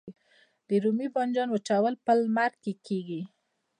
د رومي بانجان وچول په لمر کې کیږي؟